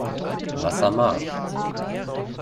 Wasser marsch!